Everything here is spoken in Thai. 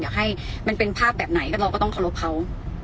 ให้มันเป็นภาพแบบไหนก็เราก็ต้องเคารพเขา